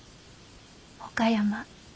岡山